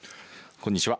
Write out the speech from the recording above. こんにちは。